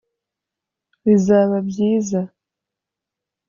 bizaba byiza.